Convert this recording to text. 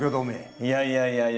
いやいやいやいや！